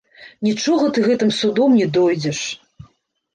Нічога ты гэтым судом не дойдзеш!